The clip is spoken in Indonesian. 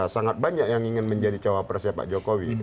sangat banyak yang ingin menjadi jawab presiden pak jokowi